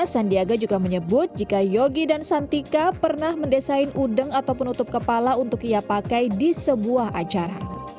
sandiaga juga menyebut jika yogi dan santika pernah mendesain udeng atau penutup kepala untuk ia pakai di sebuah acara